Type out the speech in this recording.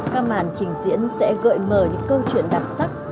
các màn trình diễn sẽ gợi mở những câu chuyện đặc sắc